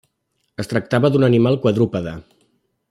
Es tractava d'un animal quadrúpede.